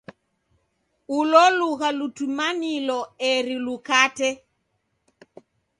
Ulo lugha lutumalilo eri lukate.